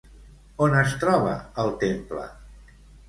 On es troba el temple?